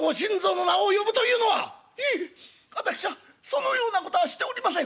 「いいえ私はそのようなことはしておりません」。